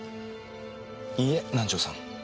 いいえ南条さん。